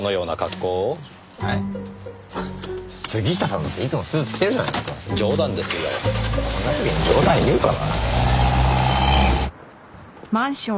こんな時に冗談言うかな。